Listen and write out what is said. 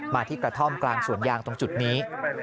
ที่กระท่อมกลางสวนยางตรงจุดนี้